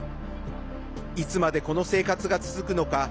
いつまで、この生活が続くのか。